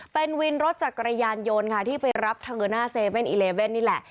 เป็นวินรถจากกระยานโยนที่ไปรับเธอหน้า๗๑๑นี่แหละ